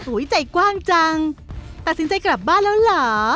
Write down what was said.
ใจกว้างจังตัดสินใจกลับบ้านแล้วเหรอ